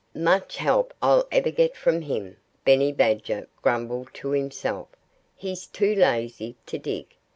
"Much help I'd ever get from him!" Benny Badger grumbled to himself. "He's too lazy to dig.